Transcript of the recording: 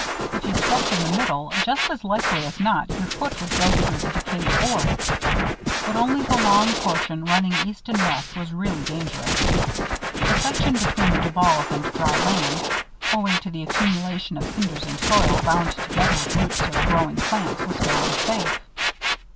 If you stepped in the middle, just as likely as not your foot would go through the decayed board. But only the long portion running east and west was really dangerous. The section between the Duvals and dry land, owing to the accumulation of cinders and soil, bound together with roots of growing plants, was fairly safe.